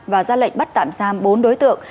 và ra lệnh bắt tạm giam bốn đối tượng